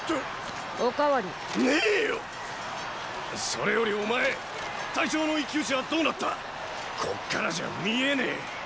それよりお前隊長の一騎討ちはどうなった⁉こっからじゃ見えねェ！